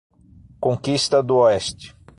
Conquista d'Oeste